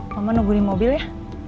mama nungguin mobil ya